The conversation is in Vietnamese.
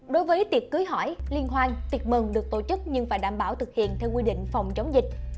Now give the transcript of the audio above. đối với tiệc cưới hỏi liên hoan tiệc mừng được tổ chức nhưng phải đảm bảo thực hiện theo quy định phòng chống dịch